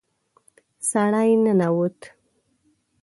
سړی ننوت.